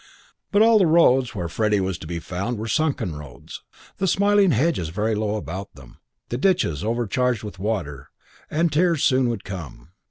But all the roads where Freddie was to be found were sunken roads, the smiling hedges very low about them, the ditches overcharged with water, and tears soon would come.